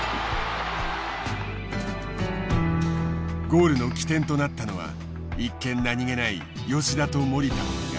ゴールの起点となったのは一見何気ない吉田と守田のやり取り。